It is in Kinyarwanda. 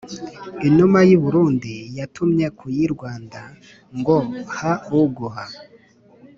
inuma y’i burundi yatumye kuy’i rwanda ngo: “ha uguha